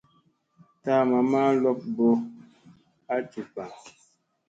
Taa mamma lob mɓo a jup pa.